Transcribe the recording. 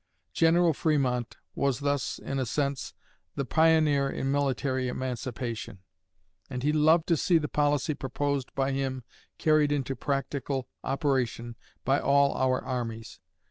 General Frémont was thus, in a sense, the pioneer in military emancipation; and he lived to see the policy proposed by him carried into practical operation by all our armies.